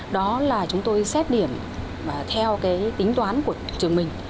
đó là chúng tôi xét điểm theo cái tính toán của trường mình